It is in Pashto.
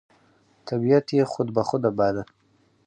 طبیعت یې خود بخوده باله،